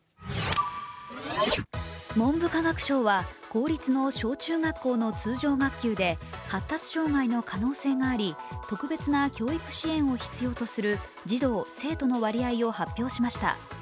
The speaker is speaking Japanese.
文部科学省は公立の小中学校の通常学級で発達障害の可能性があり、特別な教育支援を必要とする児童生徒の割合を発表しました。